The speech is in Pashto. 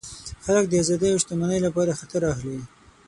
خلک د آزادۍ او شتمنۍ لپاره خطر اخلي.